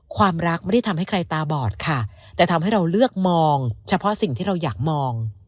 ความรักไม่ได้ทำให้ใครตาบอดค่ะแต่ทำให้เราเลือกมองเฉพาะสิ่งที่เราอยากมอง